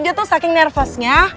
dia itu saking nervousnya